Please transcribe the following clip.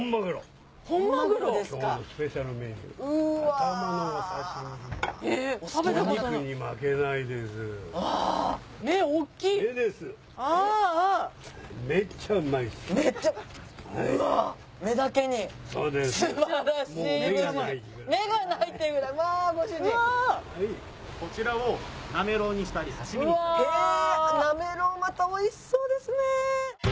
なめろうまたおいしそうですね。